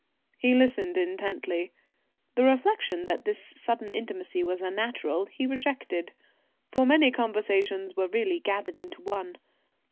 He listened intently. The reflection that this sudden intimacy was unnatural, he rejected, for many conversations were really gathered into one.